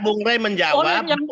bung rey menjawab